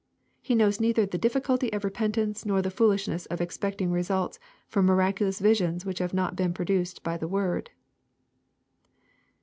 He knows neither the difficulty of repentance, nor the fool ishness of expecting results from miraculous visions which have not been produced by the word.